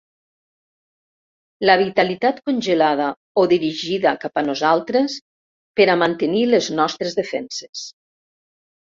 La vitalitat congelada o dirigida cap a nosaltres per a mantenir les nostres defenses.